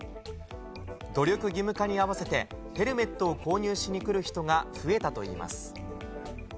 努力義務化に合わせて、ヘルメットを購入しに来る人が増えたといいます。